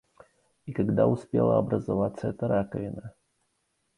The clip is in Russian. И когда успела образоваться эта раковина?